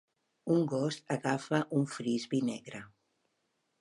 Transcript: un gos agafa un frisbee negre